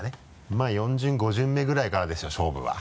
まぁ４巡５巡目ぐらいからでしょ勝負は。